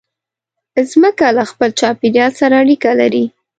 مځکه له خپل چاپېریال سره اړیکه لري.